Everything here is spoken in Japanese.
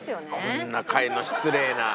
こんな貝の失礼な。